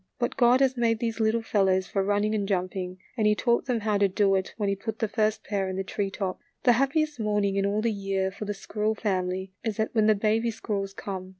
But God has made these little fellows for running and jumping, and he taught them how to do it when he put the first pair in the tree tops. The happiest morning in all the year for the squirrel family is that when the baby squirrels come.